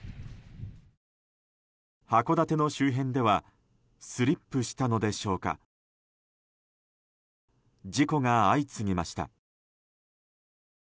函館の周辺ではスリップしたのでしょうか事故が相次ぎました。